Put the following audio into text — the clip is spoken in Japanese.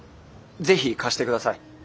是非貸してください。